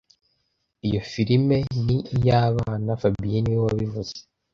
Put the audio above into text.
Iyo film ni iy'abana fabien niwe wabivuze